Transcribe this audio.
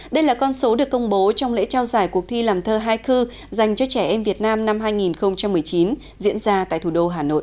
đây là con số được công bố trong lễ trao giải cuộc thi làm thơ haiku dành cho trẻ em việt nam năm hai nghìn một mươi chín diễn ra tại thủ đô hà nội